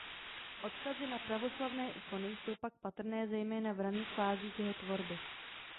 Odkazy na pravoslavné ikony jsou pak patrné zejména v raných fázích jeho tvorby.